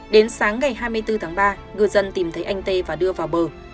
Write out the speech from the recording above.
đến sáng ngày hai mươi bốn tháng ba ngư dân tìm thấy anh tê và đưa vào bờ